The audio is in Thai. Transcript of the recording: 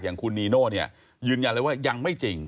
อย่างคุณนีโน่ยืนยังไม่จริง